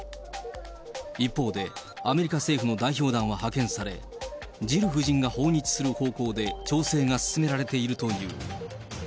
一方で、アメリカ政府の代表団は派遣され、ジル夫人が訪日する方向で調整が進められているという。